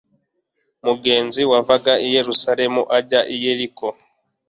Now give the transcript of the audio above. Umugenzi wavaga i Yerusalemu ajya i Yeriko,